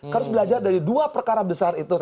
harus belajar dari dua perkara besar itu